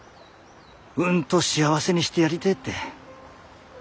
うんと幸せにしてやりてえって。